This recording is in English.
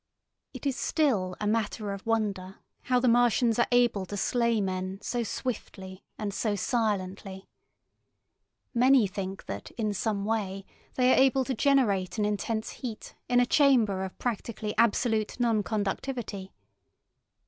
It is still a matter of wonder how the Martians are able to slay men so swiftly and so silently. Many think that in some way they are able to generate an intense heat in a chamber of practically absolute non conductivity.